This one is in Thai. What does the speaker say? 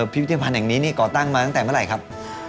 พิพิธภัณฑ์แห่งนี้นี่ก่อตั้งมาตั้งแต่เมื่อไหร่ครับ